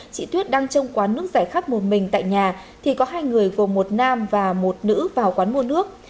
chị thuyết đang trong quán nước giải khát một mình tại nhà thì có hai người gồm một nam và một nữ vào quán mua nước